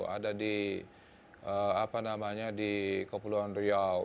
ada di kepulauan riau